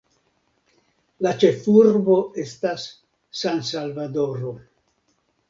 La ĉefurbo estas San-Salvadoro.